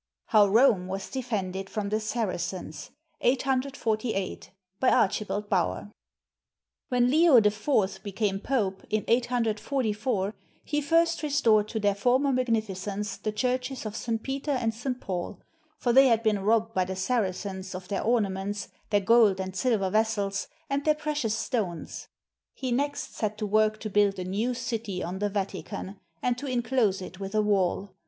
HOW ROME WAS DEFENDED FROM THE SARACENS BY ARCHIBALD BOWER [When Leo IV became Pope, in 844, he first restored to their former magnificence the churches of St. Peter and St. Paul, for they had been robbed by the Saracens of their ornaments, their gold and silver vessels, and their precious stones. He next set to work to build a new city on the Vatican and to inclose it with a wall.